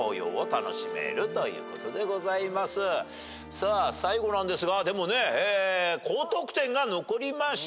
さあ最後なんですがでもね高得点が残りました。